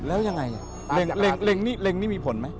แล้วยังไงเร็งนี่มีผลไหม